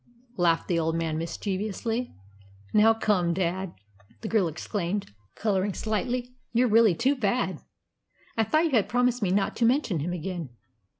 laughed the old man mischievously. "Now come, dad," the girl exclaimed, colouring slightly, "you're really too bad! I thought you had promised me not to mention him again."